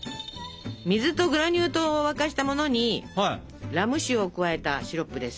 水とグラニュー糖を沸かしたものにラム酒を加えたシロップです。